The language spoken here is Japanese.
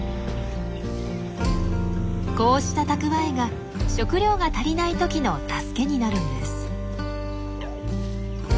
こうした蓄えが食料が足りない時の助けになるんです。